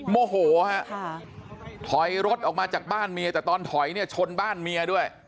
โมโหฮะถอยรถออกมาจากบ้านเมียแต่ตอนถอยเนี่ยชนบ้านเมียด้วย